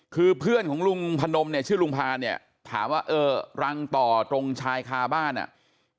คือเพื่อนของลุงพนมเนี่ยชื่อลุงพาเนี่ยถามว่าเออรังต่อตรงชายคาบ้านอ่ะ